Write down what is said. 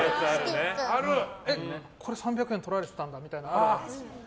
これで３００円とられてたんだみたいな。